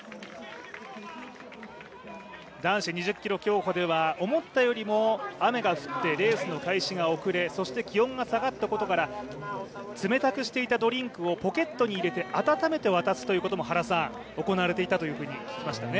男子２０ｋｍ競歩では思ったよりも雨が降って、レースの開始が遅れそして気温が下がったことから冷たくしていたドリンクをポケットに入れて温めて渡すということも行われていたというふうに聞きましたね。